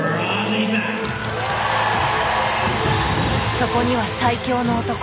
そこには最強の男